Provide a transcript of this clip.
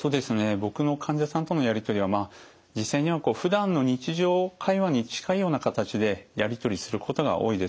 僕の患者さんとのやり取りは実際にはふだんの日常会話に近いような形でやり取りすることが多いです。